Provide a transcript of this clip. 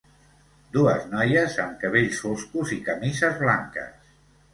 Dues noies amb cabells foscos i camises blanques.